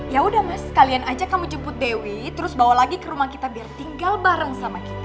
ya udah mas kalian aja kamu jemput dewi terus bawa lagi ke rumah kita biar tinggal bareng sama kita